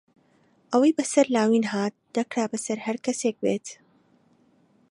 ئەوەی بەسەر لاوین هات، دەکرا بەسەر هەر کەسێک بێت.